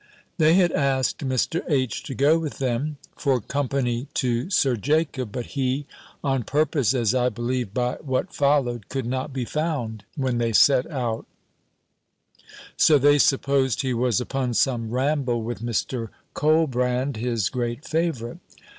They had asked Mr. H. to go with them, for company to Sir Jacob; but he (on purpose, as I believe by what followed) could not be found, when they set out: so they supposed he was upon some ramble with Mr. Colbrand, his great favourite.